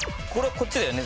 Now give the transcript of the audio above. こっちだよね